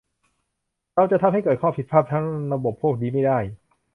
เราจะทำให้เกิดข้อผิดพลาดทางระบบพวกนี้ไม่ได้